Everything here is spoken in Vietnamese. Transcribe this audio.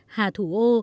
hà thủ ô